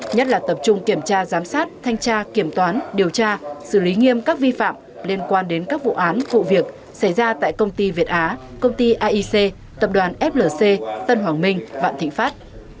nhất là tập trung kiểm tra giám sát thanh tra kiểm toán điều tra xử lý nghiêm các vi phạm liên quan đến các vụ án vụ việc xảy ra tại công ty việt á công ty aic tập đoàn flc tân hoàng minh vạn thịnh pháp